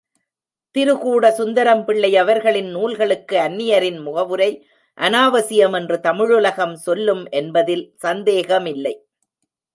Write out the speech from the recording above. திருகூடசுந்தரம் பிள்ளை அவர்களின் நூல்களுக்கு அன்னியரின் முகவுரை அனாவசியம் என்று தமிழுலகம் சொல்லும் என்பதில் சந்தேகமில்லை.